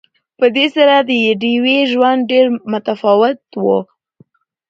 په دې سره د ډیوې ژوند ډېر متفاوت وو